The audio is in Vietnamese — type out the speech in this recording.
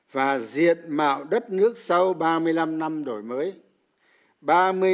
và diện mạo đất nước sau ba mươi năm năm đổi mới